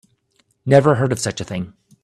Never heard of such a thing.